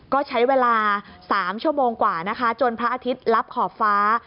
ก็ใช้เวลา๓ชั่วโมงกว่านะคะจนพระอาทิตย์รับขอบฟ้า